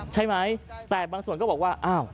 ใช่ไหมแต่บางส่วนก็บอกว่าอ้าว